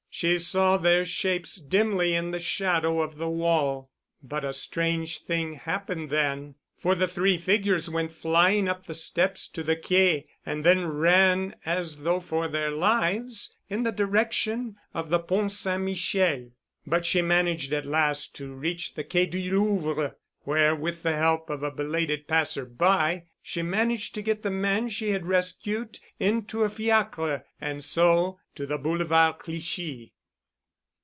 She saw their shapes dimly in the shadow of the wall. But a strange thing happened then. For the three figures went flying up the steps to the Quai and then ran as though for their lives in the direction of the Pont St. Michel. But she managed at last to reach the Quai du Louvre, where with the help of a belated passer by, she managed to get the man she had rescued into a fiacre and so to the Boulevard Clichy.